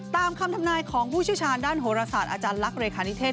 ตามคำทำนายของผู้เชี่ยวชาญด้านโหรศาสตร์อาจารย์ลักษ์เลขานิเทศ